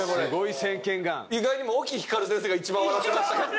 意外にも沖ヒカル先生が一番笑ってましたけども。